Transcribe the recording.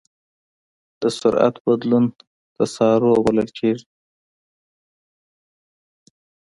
د سرعت بدلون تسارع بلل کېږي.